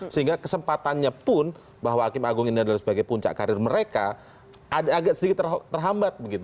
sehingga kesempatannya pun bahwa hakim agung ini adalah sebagai puncak karir mereka agak sedikit terhambat begitu